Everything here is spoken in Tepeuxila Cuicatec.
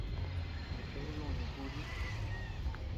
Nee cheʼe dü ñëʼe kuchii.